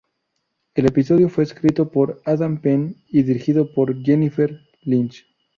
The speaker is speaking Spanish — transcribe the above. El episodio fue escrito por Adam Penn, y dirigido por Jennifer Lynch.